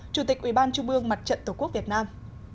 chủ tịch quỹ ban trung mương mặt trận tổ quốc việt nam